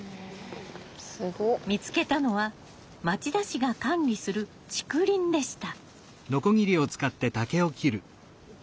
見つけたのは町田市が管理する竹林でした。